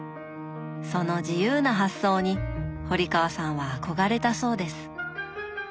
その自由な発想に堀川さんは憧れたそうです